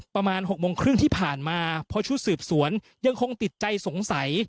ประมาณ๖โมงครึ่งที่ผ่านมาเพราะชุดสืบสวนยังคงติดใจสงสัย